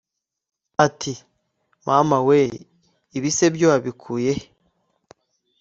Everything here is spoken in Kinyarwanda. iti: “mama we! ibi se byo wabikuye he?